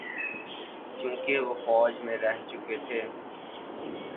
چونکہ وہ فوج میں رہ چکے تھے۔